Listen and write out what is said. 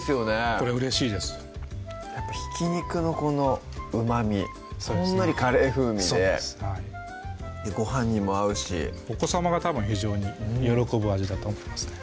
これうれしいですやっぱひき肉のこのうまみほんのりカレー風味でご飯にも合うしお子さまがたぶん非常に喜ぶ味だと思いますね